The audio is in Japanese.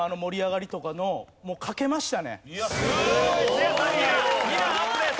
せいやさん２段２段アップです。